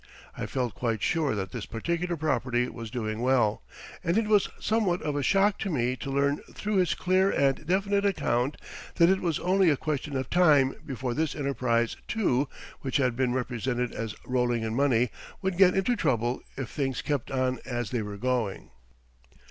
I felt quite sure that this particular property was doing well, and it was somewhat of a shock to me to learn through his clear and definite account that it was only a question of time before this enterprise, too, which had been represented as rolling in money, would get into trouble if things kept on as they were going.